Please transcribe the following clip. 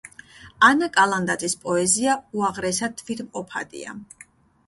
ანა კალანდაძის პოეზია უაღესად თვითმყოფადია.